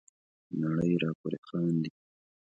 نړۍ را پوري خاندي.